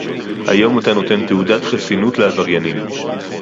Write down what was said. היום אתה נותן תעודת חסינות לעבריינים